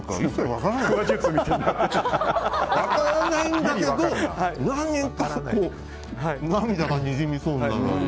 分からないんだけど何か、こう涙がにじみそうになる。